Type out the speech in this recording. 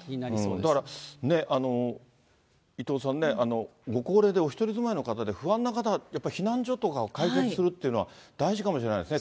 だから伊藤さんね、ご高齢でお１人住まいの方で、不安な方はやっぱり避難所とかを開設するっていうのは大事かもしれないですね。